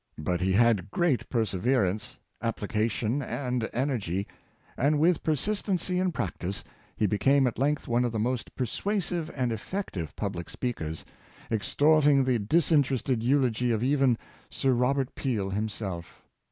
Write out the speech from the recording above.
But he had great persever ance, application and energy, and, with persistency and practice, he became at length one of the most per suasive and effective of public speakers, extorting the Diligence Indispensable, 181 disinterested eulogy ot even Sir Robert Peel himself.